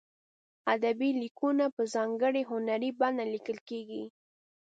ادبي لیکونه په ځانګړې هنري بڼه لیکل کیږي.